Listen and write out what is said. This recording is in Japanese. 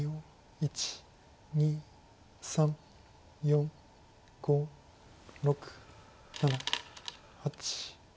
１２３４５６７８。